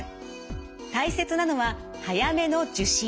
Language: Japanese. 大切なのは早めの受診。